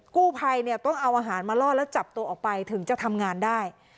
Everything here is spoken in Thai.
กู้ภัยเนี่ยต้องเอาอาหารมาล่อแล้วจับตัวออกไปถึงจะทำงานได้